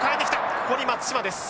ここに松島です。